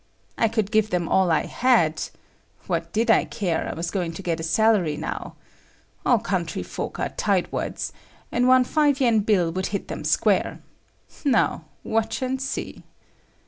I could give them all I had;—what did I care, I was going to get a salary now. All country folk are tight wads, and one 5 yen bill would hit them square. Now watch and see.